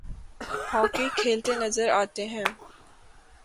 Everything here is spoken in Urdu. ہاکی کھیلتے نظر آتے ہیں